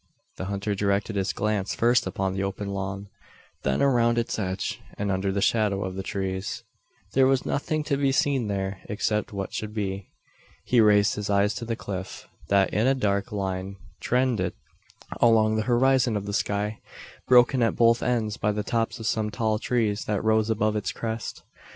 The hunter directed his glance first upon the open lawn; then around its edge, and under the shadow of the trees. There was nothing to be seen there, except what should be. He raised his eyes to the cliff, that in a dark line trended along the horizon of the sky broken at both ends by the tops of some tall trees that rose above its crest.